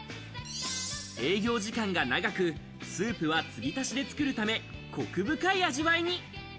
営業時間が長く、スープはつぎ足しで作るため、奥深い味わいに。